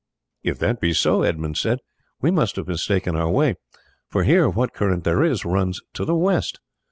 "If that be so," Edmund said, "we must have mistaken our way, for here what current there is runs to the west.